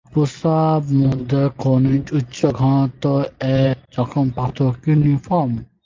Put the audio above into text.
প্রস্রাব মধ্যে খনিজ উচ্চ ঘনত্ব এ যখন পাথর কিডনি ফর্ম।